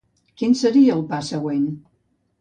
Quin seria el pas següent?